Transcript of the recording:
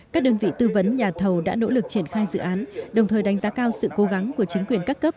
các đơn vị tư vấn nhà thầu đã nỗ lực triển khai dự án đồng thời đánh giá cao sự cố gắng của chính quyền các cấp